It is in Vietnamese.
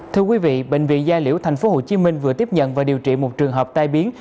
thưa quý vị bệnh viện gia liễu tp hcm vừa tiếp nhận và điều trị một trường hợp tai biến